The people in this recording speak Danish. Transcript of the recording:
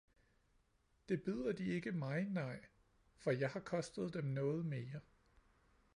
Det byder de ikke mig, nej, for jeg har kostet dem noget mere!